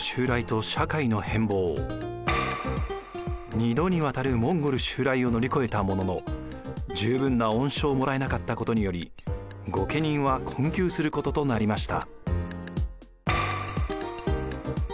２度にわたるモンゴル襲来を乗り越えたものの十分な恩賞をもらえなかったことにより御家人は困窮することとなりました。